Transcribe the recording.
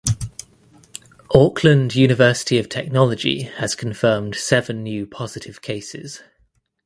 Auckland University of Technology has confirmed seven new positive cases.